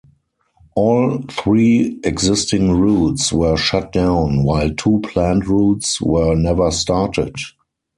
All three existing routes were shut down, while two planned routes were never started.